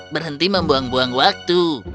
berhenti membuang buang waktu